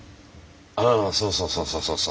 ああそうそうそうそうそうそう。